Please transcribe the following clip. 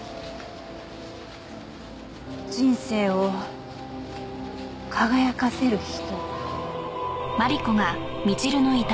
人生を輝かせる人。